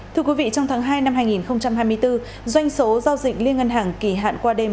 thưa quý vị trong tháng hai năm hai nghìn hai mươi bốn doanh số giao dịch liên ngân hàng kỳ hạn qua đêm